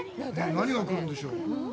何が来るんでしょう。